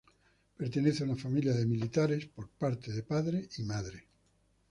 Pertenece a una familia de militares, por parte de padre y madre.